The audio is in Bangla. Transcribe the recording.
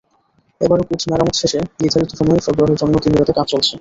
এবারও কোচ মেরামত শেষে নির্ধারিত সময়ে সরবরাহের জন্য দিনে-রাতে কাজ চলছে।